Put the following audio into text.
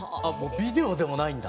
ビデオでもないんだ。